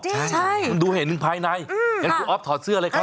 ใช่คุณดูเห็นภายในอย่างนั้นคุณอ๊อฟว่าถอดเสื้อเลยครับ